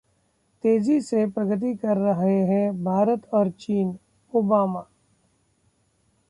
तेजी से प्रगति कर रहे हैं भारत और चीन: ओबामा